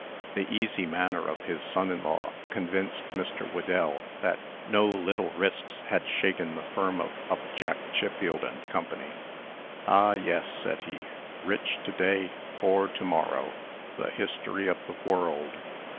The easy manner of his son in law convinced Mr. Whedell that no "little risks" had shaken the firm of Upjack, Chiffield & Co. "Ah, yes," said he. "Rich to day, poor to morrow the history of the world.